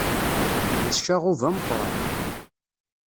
D ccaɣub ameqqran.